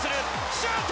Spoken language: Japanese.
シュート！